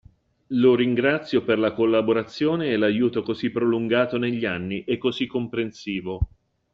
Lo ringrazio per la collaborazione e l'aiuto così prolungato negli anni e così comprensivo.